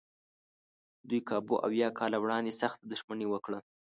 دوی کابو اویا کاله وړاندې سخته دښمني وکړه.